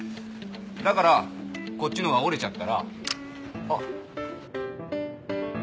だからこっちのが折れちゃったらあっ。